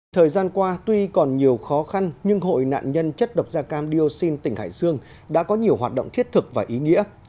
thời gian qua tuy còn nhiều khó khăn nhưng hội nạn nhân chất độc da cam dioxin tỉnh hải dương đã có nhiều hoạt động thiết thực và ý nghĩa